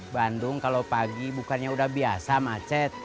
bandung kalau pagi bukannya udah biasa macet